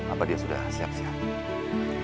apa dia sudah siap siap